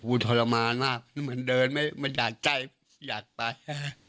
ฟูทรมานมากมันเดินไม่มันอยากใจอยากตาย